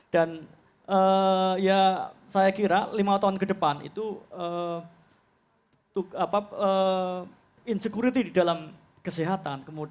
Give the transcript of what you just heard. dan saya kira lima tahun ke depan itu insecurity di dalam kesehatan